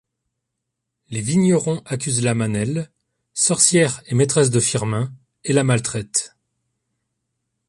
Les vignerons accusent la Manelle, sorcière et maitresse de Firmin, et la maltraitent.